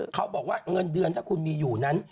เขาบอกว่าเงินเดือนถ้าคุณมีอยู่นั้น